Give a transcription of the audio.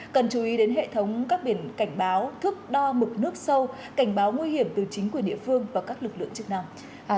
cần chú ý đến hệ thống các biển cảnh báo thước đo mực nước sâu cảnh báo nguy hiểm từ chính quyền địa phương và các lực lượng chức năng